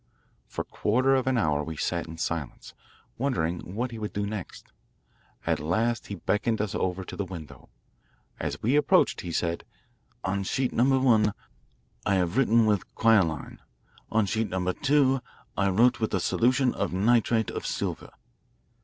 For a quarter of an hour we sat in silence, wondering what he would do next. At last he beckoned us over to the window. As we approached he said, "On sheet number one I have written with quinoline; on sheet number two I wrote with a solution of nitrate of silver."